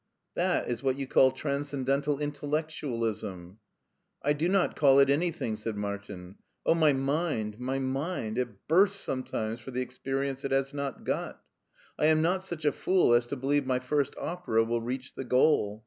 "That is what you call transcendental intdlect ualism." "I do not call it an3rthing," said Martin. "Oh, my mind, my mind! It bursts sometimes for the experience it has not got. I am not such a fool as to believe my first opera will reach the goal.